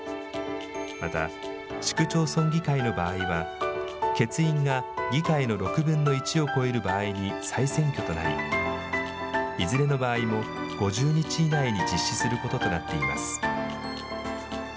また市区町村議会の場合は、欠員が議会の６分の１を超える場合に再選挙となり、いずれの場合も５０日以内に実施することとなっています。